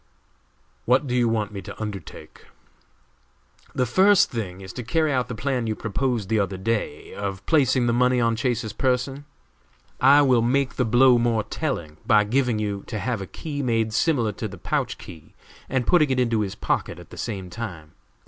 "What do you want me to undertake?" "The first thing is to carry out the plan you proposed the other day of placing the money on Chase's person. I will make the blow more telling by getting you to have a key made similar to the pouch key, and putting it into his pocket at the same time.